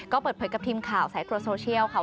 ก็เปิดเผยกับทีมข่าวสายตรวจโซเชียลค่ะ